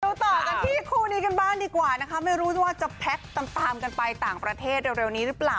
เร็วต่อกันที่ครูนีเก่งบ้านดีกว่าไม่รู้ว่าจะตามกันไปต่างประเทศเรียวนี้หรือเปล่า